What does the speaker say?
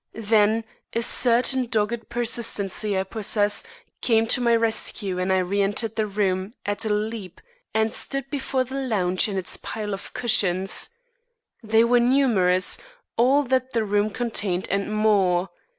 Then a certain dogged persistency I possess came to my rescue, and I re entered the room at a leap and stood before the lounge and its pile of cushions. They were numerous, all that the room contained, and more!